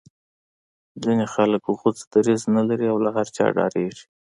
ځینې خلک غوڅ دریځ نه لري او له هر چا ډاریږي